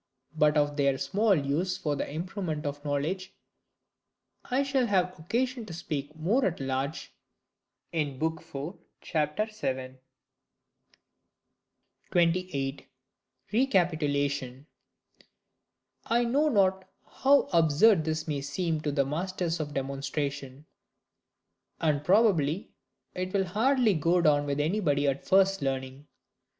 But of their small use for the improvement of knowledge I shall have occasion to speak more at large, l.4, c. 7. 28. Recapitulation. I know not how absurd this may seem to the masters of demonstration. And probably it will hardly go down with anybody at first hearing.